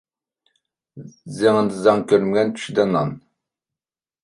زېڭىدا زاڭ كۆرمىگەن، چۈشىدە نان.